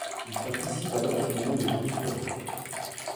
Il participe alors sous le nom de Tree Frog.